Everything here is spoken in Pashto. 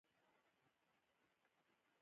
دغه معلومات باید تحولات راونغاړي.